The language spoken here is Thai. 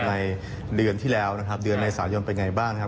ในเดือนที่แล้วนะครับเดือนเมษายนเป็นไงบ้างครับ